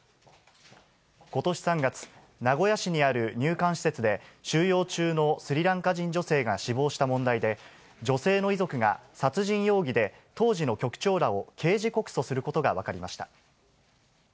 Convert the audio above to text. ことし３月、名古屋市にある入管施設で、収容中のスリランカ人女性が死亡した問題で、女性の遺族が殺人容疑で当時の局長らを刑事告訴することが分かりました。